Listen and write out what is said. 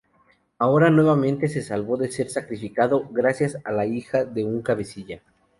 Ahora, nuevamente, se salvó de ser sacrificado gracias a la hija de un cabecilla.